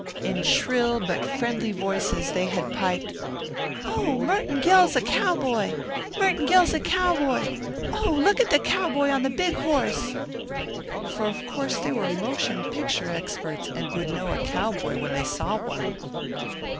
In shrill but friendly voices they had piped, "Oh, Merton Gill's a cowboy, Merton Gill's a cowboy! Oh, looka the cowboy on the big horse!" For of course they were motion picture experts and would know a cowboy when they saw one.